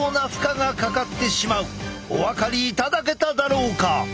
お分かりいただけただろうか。